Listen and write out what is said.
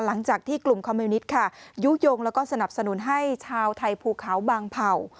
หลังจากที่กลุ่มคอมมิวนิตค่ะยุโยงแล้วก็สนับสนุนให้ชาวไทยภูเขาบางเผ่า